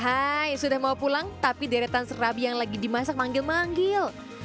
sudah mau pulang tapi deretan serabi yang lagi dimasak manggil manggil